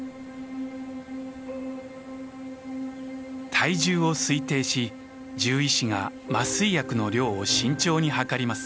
体重を推定し獣医師が麻酔薬の量を慎重にはかります。